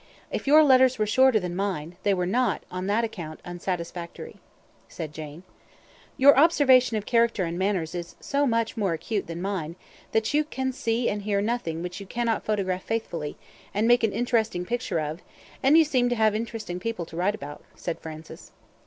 If your letters were shorter than mine, they were not, on that account, unsatisfactory," said Jane. "Your observation of character and manners is so much more acute than mine, that you can see and hear nothing which you cannot photograph faithfully, and make an interesting picture of, and you seem to have interesting people to write about," said Francis.